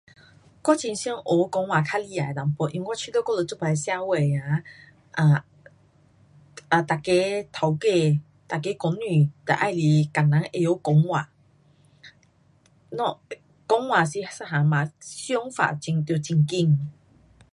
我很想学讲话较厉害一点，因为我觉得我们这次社会啊，um um 每个 taukei, 每个公司都喜欢工人会晓讲话。not 讲话是一样嘛，想法得很快。